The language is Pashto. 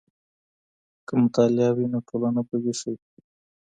که مطالعه وي، نو ټولنه به ويښه وي.